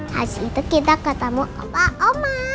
habis itu kita ketemu pak oma